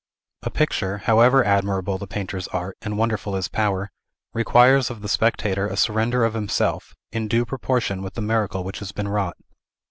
A picture, however admirable the painter's art, and wonderful his power, requires of the spectator a surrender of himself, in due proportion with the miracle which has been wrought.